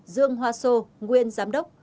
dương hoa sô nguyên giám đốc